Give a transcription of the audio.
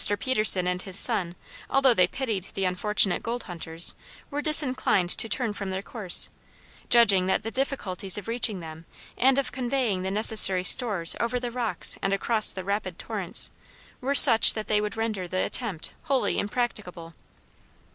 Peterson and his son, although they pitied the unfortunate gold hunters, were disinclined to turn from their course, judging that the difficulties of reaching them, and of conveying the necessary stores over the rocks and across the rapid torrents were such that they would render the attempt wholly impracticable.